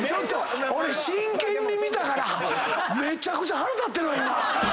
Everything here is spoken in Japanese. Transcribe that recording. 俺真剣に見たからめちゃくちゃ腹立ってるわ今。